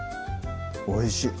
おいしい